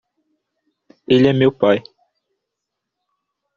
Ele é meu pai